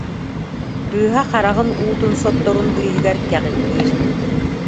Кыыһа хараҕын уутун сотторун быыһыгар кэҕиҥниир